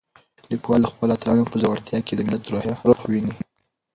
لیکوال د خپلو اتلانو په زړورتیا کې د ملت روح وینه.